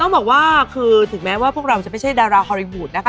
บอกว่าคือถึงแม้ว่าพวกเราจะไม่ใช่ดาราฮอลลี่วูดนะคะ